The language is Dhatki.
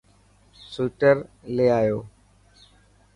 سوئٽر لي آيو.